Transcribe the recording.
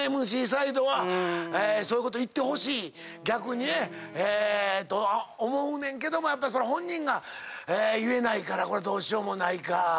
ＭＣサイドはそういうこと言ってほしい逆にね。と思うねんけどもやっぱそれ本人が言えないからこれどうしようもないか。